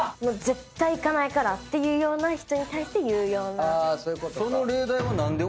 もう絶対行かないから！っていうような人に対して言うような。